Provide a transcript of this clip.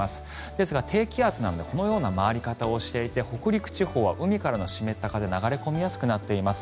ですが低気圧なのでこのような回り方をしていて北陸地方は海からの湿った風が流れ込みやすくなっています。